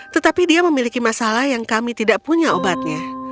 tetapi dia memiliki masalah yang kami tidak punya obatnya